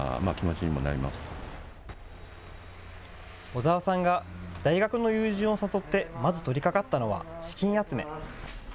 小澤さんが大学の友人を誘ってまず取りかかったのは資金集め。